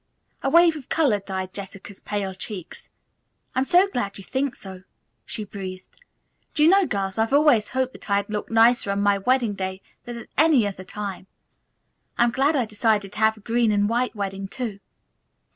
A wave of color dyed Jessica's pale cheeks. "I'm so glad that you think so," she breathed. "Do you know, girls, I have always hoped that I'd look nicer on my wedding day than at any other time. I'm glad I decided to have a green and white wedding, too."